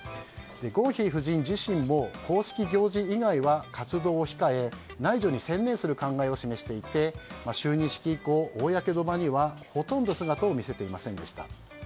ゴンヒ夫人自身も公式行事以外は活動を控え内助に専念する考えを示していて就任式以降、公の場にはほとんど姿を見せていませんでした。